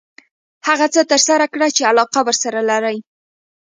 هغه څه ترسره کړه چې علاقه ورسره لري .